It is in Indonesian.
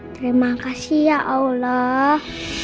terima kasih ya allah